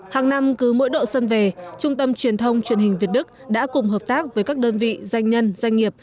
hàng năm cứ mỗi độ xuân về trung tâm truyền thông truyền hình việt đức đã cùng hợp tác với các đơn vị doanh nhân doanh nghiệp